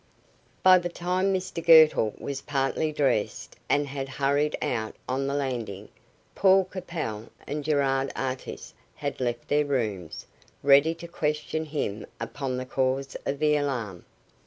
By the time Mr Girtle was partly dressed and had hurried out on the landing, Paul Capel and Gerard Artis had left their rooms, ready to question him upon the cause of the alarm.